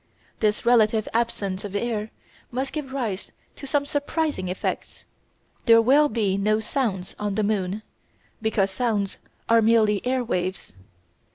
This relative absence of air must give rise to some surprising effects. There will be no sounds on the moon, because sounds are merely air waves.